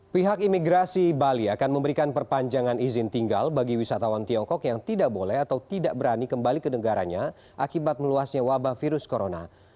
pihak imigrasi bali akan memberikan perpanjangan izin tinggal bagi wisatawan tiongkok yang tidak boleh atau tidak berani kembali ke negaranya akibat meluasnya wabah virus corona